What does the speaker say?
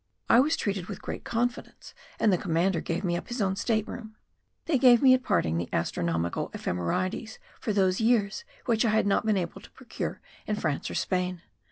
I was treated with great confidence and the commander gave me up his own state room. They gave me at parting the astronomical Ephemerides for those years which I had not been able to procure in France or Spain.